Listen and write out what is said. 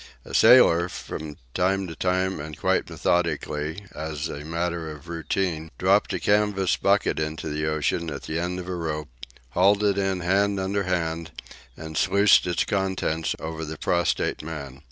A sailor, from time to time and quite methodically, as a matter of routine, dropped a canvas bucket into the ocean at the end of a rope, hauled it in hand under hand, and sluiced its contents over the prostrate man.